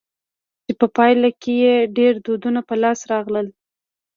چي په پايله کښي ئې ډېر دودونه په لاس راغلل.